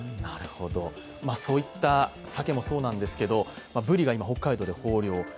そういったサケもそうなんですが、ブリが今、北海道で豊漁。